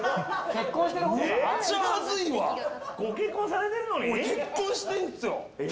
結婚してるんっすよ。